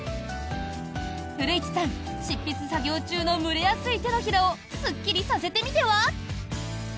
古市さん、執筆作業中の蒸れやすい手のひらをすっきりさせてみては？